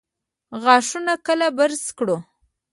غاښونه کله برس کړو؟